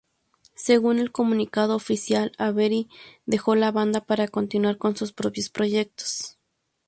Según el comunicado oficial, Avery dejó la banda para continuar con sus propios proyectos.